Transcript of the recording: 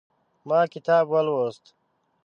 ما کتاب ولوست